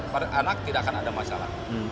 pada anak tidak akan ada masalah